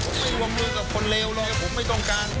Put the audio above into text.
ผมไม่วงมือกับคนเลวเลยผมไม่ต้องการ